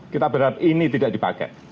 kita harapkan ini enggak dipakai